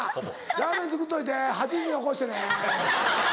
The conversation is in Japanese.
「ラーメン作っといて８時に起こしてね」。